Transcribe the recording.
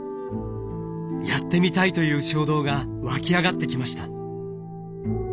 やってみたいという衝動がわき上がってきました。